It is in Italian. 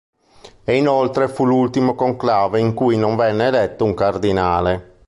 E inoltre fu l'ultimo conclave in cui non venne eletto un cardinale.